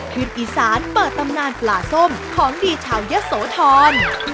อีสานเปิดตำนานปลาส้มของดีชาวยะโสธร